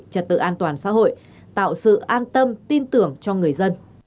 trật tự an toàn xã hội tạo sự an tâm tin tưởng cho người dân